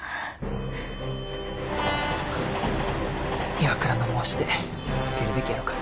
岩倉の申し出受けるべきやろか？